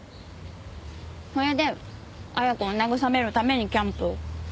それで恵子を慰めるためにキャンプを。